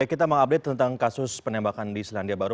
kita mau update tentang kasus penembakan di selandia baru